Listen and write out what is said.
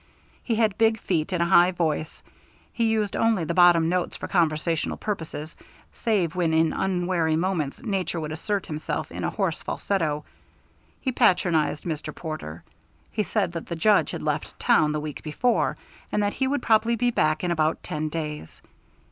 He had big feet and a high voice; he used only the bottom notes for conversational purposes save when in unwary moments Nature would assert herself in a hoarse falsetto. He patronized Mr. Porter. He said that the Judge had left town the week before, and that he would probably be back in about ten days.